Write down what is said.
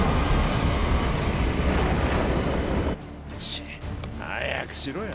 チッ早くしろよ。